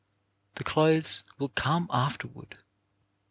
The clothes will come afterward.